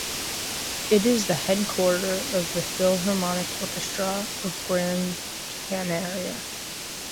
It is the headquarter of the Philharmonic Orchestra of Gran Canaria.